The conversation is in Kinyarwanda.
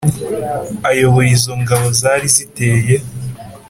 ayobora izo ngabo zari ziteye.